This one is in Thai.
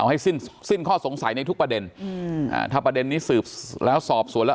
ให้สิ้นสิ้นข้อสงสัยในทุกประเด็นอืมอ่าถ้าประเด็นนี้สืบแล้วสอบสวนแล้ว